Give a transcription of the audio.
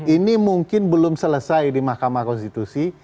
ini mungkin belum selesai di mahkamah konstitusi